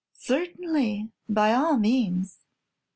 "Certainly; by all means."